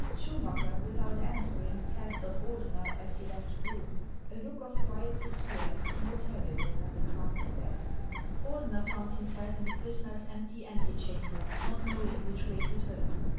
Schumacker, without answering, cast on Ordener, as he left the room, a look of quiet despair more terrible than the calm of death. Ordener found himself in the prisoner's empty ante chamber, not knowing which way to turn.